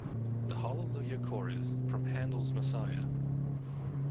The Hallelujah Chorus from Handel's Messiah.